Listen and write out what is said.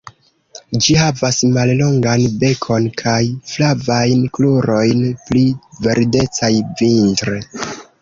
Ĝi havas mallongan bekon kaj flavajn krurojn -pli verdecaj vintre-.